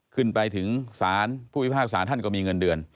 ขึ้นไปถึงภูมิภาคศาลท่านก็มีเงินเดือน